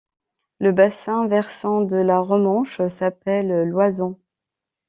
Le bassin versant de la Romanche s'appelle l'Oisans.